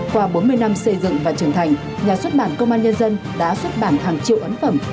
qua bốn mươi năm xây dựng và trưởng thành nhà xuất bản công an nhân dân đã xuất bản hàng triệu ấn phẩm